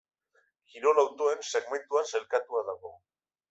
Kirol autoen segmentuan sailkatua dago.